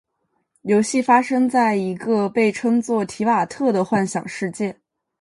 游戏发生在一个被称作「提瓦特」的幻想世界。